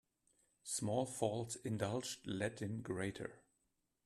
Small faults indulged let in greater.